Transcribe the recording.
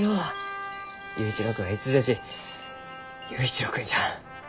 佑一郎君はいつじゃち佑一郎君じゃ。